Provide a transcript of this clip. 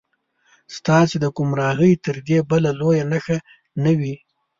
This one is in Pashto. ستاسې د ګمراهۍ تر دې بله لویه نښه نه وي.